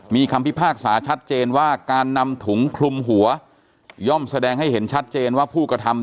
มีคำพิพากษาชัดเจนว่าการนำถุงคลุมหัวย่อมแสดงให้เห็นชัดเจนว่าผู้กระทำ